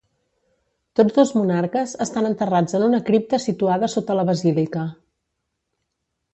Tots dos monarques estan enterrats en una cripta situada sota la basílica.